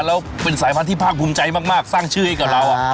แล้วเป็นสายพันธุ์ภาคภูมิใจมากสร้างชื่อให้กับเรา